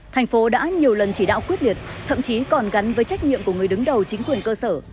thành phố đã nhiều lần chỉ đạo quyết liệt thậm chí còn gắn với trách nhiệm của người đứng đầu chính quyền cơ sở